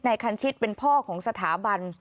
นายคันชิดเป็นพ่อของสถาพันธ์